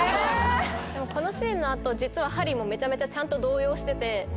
このシーンの後実はハリーもめちゃめちゃちゃんと動揺してて。